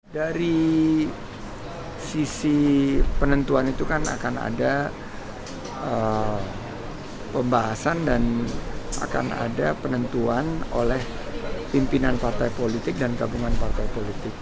dari sisi penentuan itu kan akan ada pembahasan dan akan ada penentuan oleh pimpinan partai politik dan gabungan partai politik